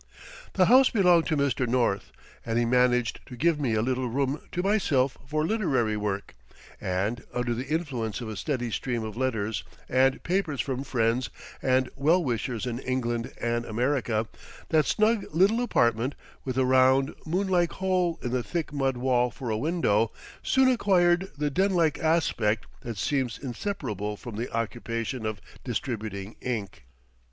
The house belonged to Mr. North, and he managed to give me a little room to myself for literary work, and, under the influence of a steady stream of letters and papers from friends and well wishers in England and America, that snug little apartment, with a round, moon like hole in the thick mud wall for a window, soon acquired the den like aspect that seems inseparable from the occupation of distributing ink.